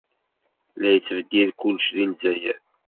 La yettbeddil kullec deg Lezzayer.